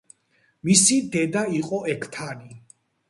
მისი დედა იყო ექთანი.